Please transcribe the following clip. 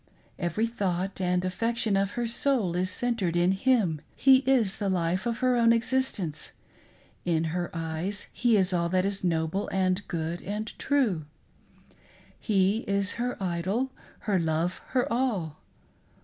Every thought and affection of her soul is centred in him. He is the life of her own existence. In her eyes he is all that is noble and good and true. He is her idol, her love, her all.